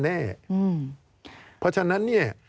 การเลือกตั้งครั้งนี้แน่